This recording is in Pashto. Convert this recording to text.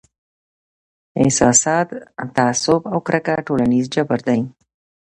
احساسات، تعصب او کرکه ټولنیز جبر دی.